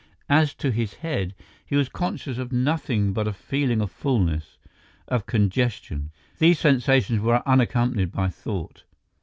As to his head, he was conscious of nothing but a feeling of fullness—of congestion. These sensations were unaccompanied by thought.